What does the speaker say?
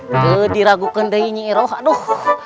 tidak diragukan ini ya aduh